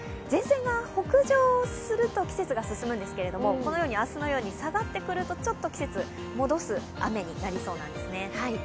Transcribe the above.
前線が北上すると季節が進むんですがこのように明日のように下がってくるとちょっと季節を戻す雨になりそうなんですね。